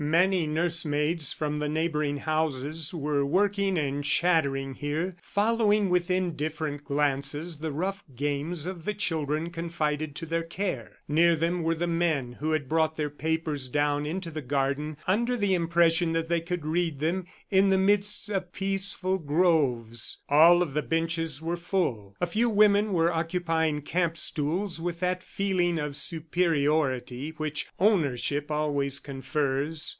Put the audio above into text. Many nurse maids from the neighboring houses were working and chattering here, following with indifferent glances the rough games of the children confided to their care. Near them were the men who had brought their papers down into the garden under the impression that they could read them in the midst of peaceful groves. All of the benches were full. A few women were occupying camp stools with that feeling of superiority which ownership always confers.